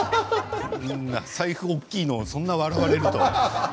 財布大きいのそんなに笑われるとは。